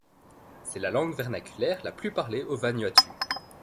C'est la langue vernaculaire la plus parlée au Vanuatu.